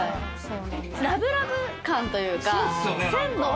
ラブラブ感というか。